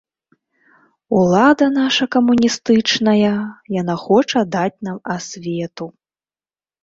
Улада наша камуністычная, яна хоча даць нам асвету.